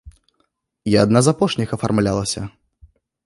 Я адна з апошніх афармлялася.